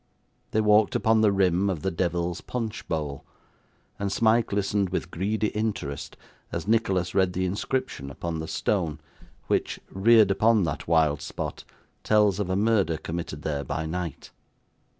They walked upon the rim of the Devil's Punch Bowl; and Smike listened with greedy interest as Nicholas read the inscription upon the stone which, reared upon that wild spot, tells of a murder committed there by night.